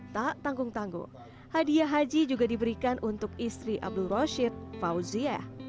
tak tanggung tanggung hadiah haji juga diberikan untuk istri abdul rashid fauziah